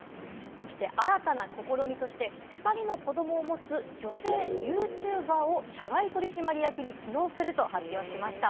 そして新たな試みとして、２人の子供を持つ女性ユーチューバーを社外取締役に起用すると発表しました。